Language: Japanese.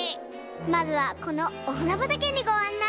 まずはこのおはなばたけにごあんない！